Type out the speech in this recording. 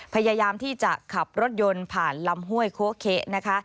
พยายามที่จะขับรถยนต์ผ่านลำห้วยโคเคนะคะ